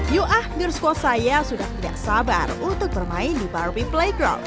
yuk ah girsco saya sudah tidak sabar untuk bermain di barbie playground